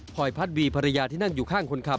อยพัดวีภรรยาที่นั่งอยู่ข้างคนขับ